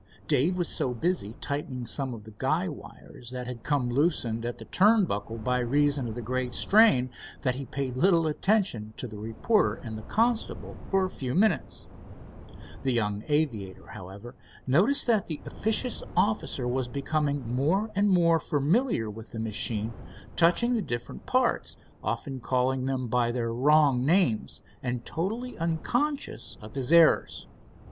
Dave was so busy tightening some of the guy wires that had come loosened at the turn buckle, by reason of the great strain, that he paid little attention to the reporter and the constable for a few minutes. The young aviator, however, noticed that the officious officer was becoming more and more familiar with the machine, touching the different parts, often calling them by their wrong names, and totally unconscious of his errors.